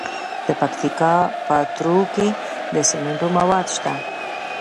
د پکتیکا په تروو کې د سمنټو مواد شته.